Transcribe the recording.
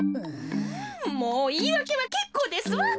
もういいわけはけっこうですわ！